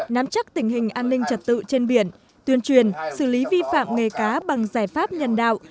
nắm chắc tình hình an ninh trật tự trên biển tuyên truyền xử lý vi phạm nghề cá bằng giải pháp nhân đạo